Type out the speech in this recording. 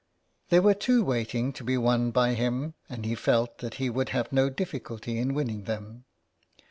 There were two waiting to be won by him, and he felt that he would have no difficulty in winning them.